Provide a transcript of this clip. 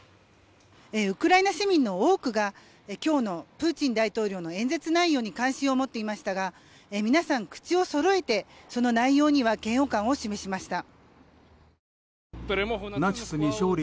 ウクライナ市民の多くが今日のプーチン大統領の演説内容に関心を持っていましたが皆さん、口をそろえてその内容には嫌悪感を示しました。